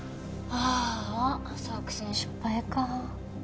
あ作戦失敗か